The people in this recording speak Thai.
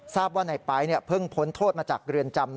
ทราบว่านายไป๊เพิ่งพ้นโทษมาจากเรือนจำ